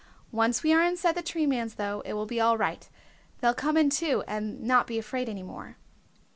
Once we are inside the Tree Man's, though, it will be all right. They'll come in too, and not be afraid any more."